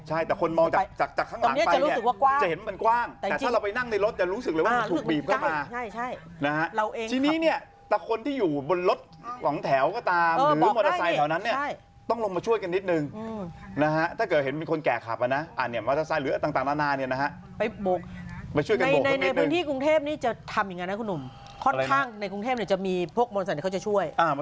ใช่แต่คนมองจากข้างหลังไปเนี่ยจะเห็นมันกว้างแต่ถ้าเราไปนั่งในรถจะรู้สึกเลยว่ามันถูกบีบเข้ามา